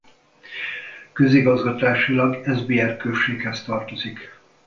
Közigazgatásilag Esbjerg községhez tartozik.